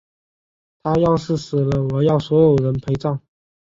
她要是死了，我要所有人陪葬！